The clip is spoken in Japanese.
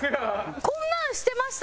こんなのしてました？